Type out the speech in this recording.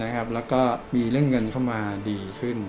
แล้วก็มีเรื่องเงินเข้ามาดีขึ้น